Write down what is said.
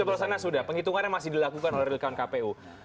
pencoblosannya sudah penghitungannya masih dilakukan oleh rilkaun kpu